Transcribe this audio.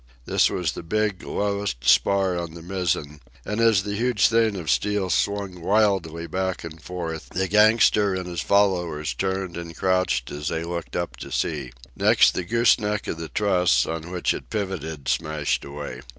This was the big, lowest spar on the mizzen, and as the huge thing of steel swung wildly back and forth the gangster and his followers turned and crouched as they looked up to see. Next, the gooseneck of the truss, on which it pivoted, smashed away.